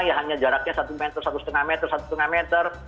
ya hanya jaraknya satu meter satu lima meter satu lima meter